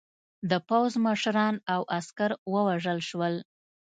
د پوځ مشران او عسکر ووژل شول.